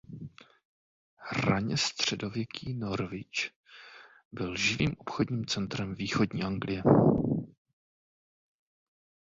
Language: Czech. Raně středověký Norwich byl živým obchodním centrem východní Anglie.